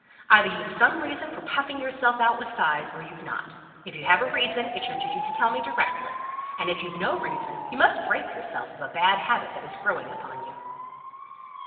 either you've some reason for puffing yourself out with sighs, or you've not. If you have a reason, it's your duty to tell it me directly; and if you haven't a reason, you must break yourself of a bad habit that is growing upon you."